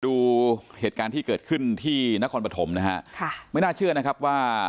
ดูเหตุการณ์ที่เกิดขึ้นที่นครปฐมนะฮะค่ะไม่น่าเชื่อนะครับว่า